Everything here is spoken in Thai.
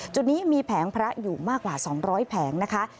จุดนี้มีแผงพระอยู่มากกว่า๒๐๐แผงนะคะ